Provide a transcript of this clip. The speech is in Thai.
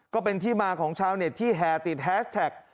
ก็เป็นที่มาของชาวเน็ตที่แห่ติดแฮสแท็ก